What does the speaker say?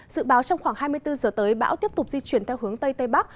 dự báo trong khoảng hai mươi bốn giờ tới bão tiếp tục di chuyển theo hướng tây tây bắc